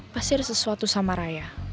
pasti ada sesuatu sama raya